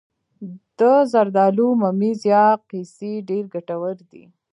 د زردالو ممیز یا قیسی ډیر ګټور دي.